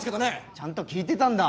ちゃんと聞いてたんだ。